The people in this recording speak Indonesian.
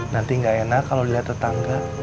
nanti gak enak kalau dilihat tetangga